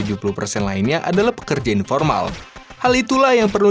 tiga puluh saja yang memiliki npwp karena tujuh puluh lainnya adalah pekerja informal hal itulah yang perlu